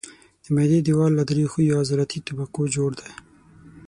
د معدې دېوال له درې ښویو عضلاتي طبقو جوړ دی.